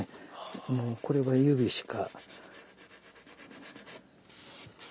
もうこれは指しか。